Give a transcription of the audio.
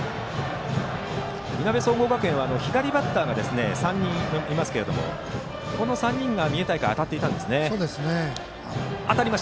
いなべ総合学園は左バッターが３人いますがこの３人が三重大会で当たっていたんですね。